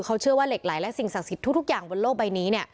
เขาเชื่อว่าเหล็กไหลและสิ่งศักดิ์สิทธิ์ทุกอย่างบนโลกใบนี้เนี่ย